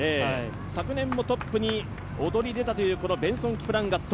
昨年もトップに躍り出たというベンソン・キプランガット。